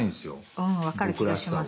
うん分かる気がします。